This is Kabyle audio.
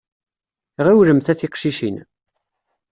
Ɣiwlemt a tiqcicin.